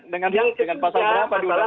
dengan pasal berapa di undang undang